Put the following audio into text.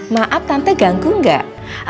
maaf tante ganggu gak